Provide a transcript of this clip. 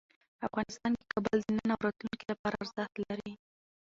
افغانستان کې کابل د نن او راتلونکي لپاره ارزښت لري.